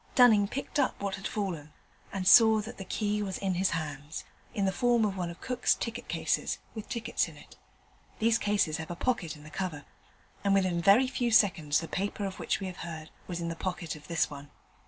Dunning picked up what had fallen, and saw that the key was in his hands in the form of one of Cook's ticket cases, with tickets in it. These cases have a pocket in the cover, and within very few seconds the paper of which we have heard was in the pocket of this one.